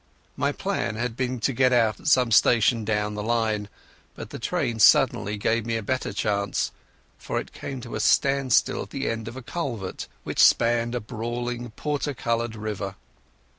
My plan had been to get out at some station down the line, but the train suddenly gave me a better chance, for it came to a standstill at the end of a culvert which spanned a brawling porter coloured river.